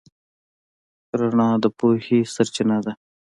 رڼا د پوهې سرچینه ده.